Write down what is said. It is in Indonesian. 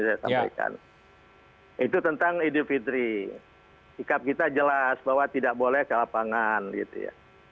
saya sampaikan itu tentang idul fitri sikap kita jelas bahwa tidak boleh ke lapangan gitu ya